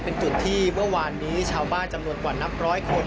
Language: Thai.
เป็นจุดที่เมื่อวานนี้ชาวบ้านจำนวนกว่านับร้อยคน